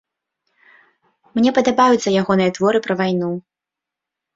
Мне падабаюцца ягоныя творы пра вайну.